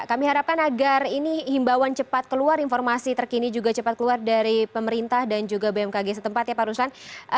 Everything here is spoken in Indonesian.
kami harapkan agar ini himbauan cepat keluar informasi terkini juga cepat keluar dari pemerintah dan juga bmkg setempat ya pak ruslan